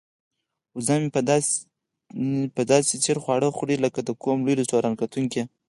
وزه مې داسې په ځیر خواړه خوري لکه د کوم لوی رستورانت کتونکی.